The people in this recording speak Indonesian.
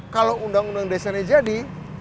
kalau undang undang dasarnya jadi